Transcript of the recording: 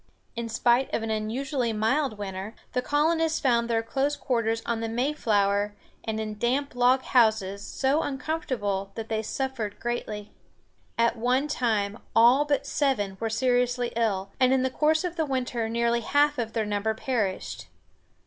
In spite of an unusually mild winter, the colonists found their close quarters on the Mayflower and in damp log houses so uncomfortable that they suffered greatly. At one time all but seven were seriously ill, and in the course of the winter nearly half of their number perished.